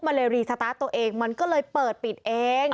มันเลยรีสตาร์ทตัวเองมันก็เลยเปิดปิดเอง